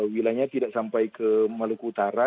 wilayahnya tidak sampai ke maluku utara